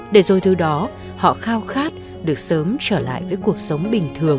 để rồi thứ đó họ khao khát được sớm trở lại với cuộc sống bình thường